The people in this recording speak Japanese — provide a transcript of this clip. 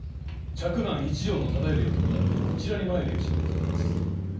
一条忠頼を伴ってこちらに参る由にございます。